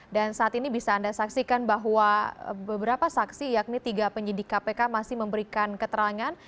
dan saat ini bisa anda saksikan bahwa beberapa saksi yakni tiga penyidik kpk masih memberikan keterangan